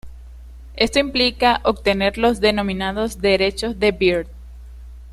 Esto implica obtener los denominados "derechos de Bird".